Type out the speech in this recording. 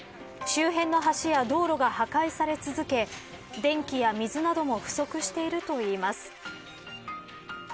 周辺の橋や道路が破壊され続け電気や水なども不足しているといいます。